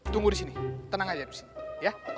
tunggu disini tenang aja disini ya